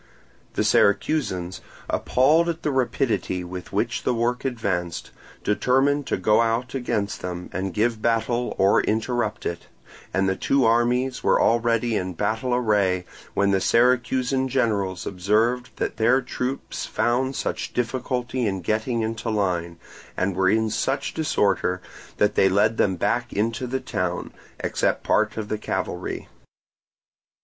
The Syracusans, appalled at the rapidity with which the work advanced, determined to go out against them and give battle and interrupt it; and the two armies were already in battle array, when the Syracusan generals observed that their troops found such difficulty in getting into line, and were in such disorder, that they led them back into the town, except part of the cavalry.